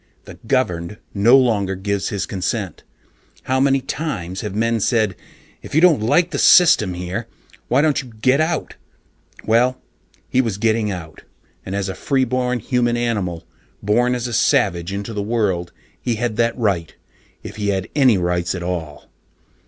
The "governed" no longer gives his consent. How many times have men said, "If you don't like the system here, why don't you get out?" Well, he was getting out, and as a freeborn human animal, born as a savage into the world, he had that right, if he had any rights at all.